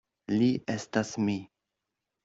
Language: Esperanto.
Li estas mi.